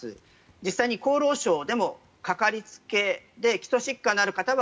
実際に厚労省でもかかりつけで基礎疾患のある方は